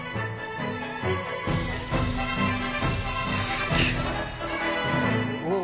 すげえ。